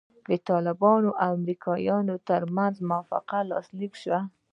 د طالبانو او امریکایانو ترمنځ موافقه لاسلیک سوه.